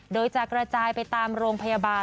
โดยจะกระจายไปตามโรงพยาบาล